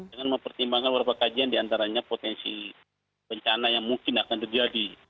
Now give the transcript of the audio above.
dengan mempertimbangkan beberapa kajian diantaranya potensi bencana yang mungkin akan terjadi